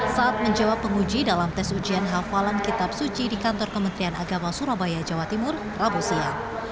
saat menjawab penguji dalam tes ujian hafalan kitab suci di kantor kementerian agama surabaya jawa timur rabu siang